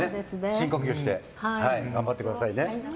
深呼吸して頑張ってくださいね。